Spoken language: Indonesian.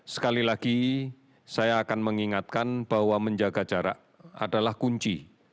sekali lagi saya akan mengingatkan bahwa menjaga jarak adalah kunci